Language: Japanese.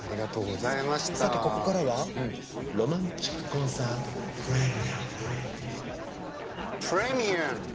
さて、ここからは「ロマンチックコンサートＰＲＥＭＩＵＭ」。